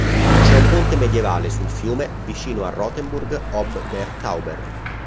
C'è un ponte medievale sul fiume vicino a Rothenburg ob der Tauber.